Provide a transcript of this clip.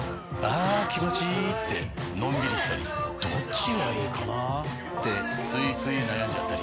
あ気持ちいいってのんびりしたりどっちがいいかなってついつい悩んじゃったり。